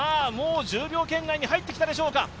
１０秒圏内に入ってきたでしょうか。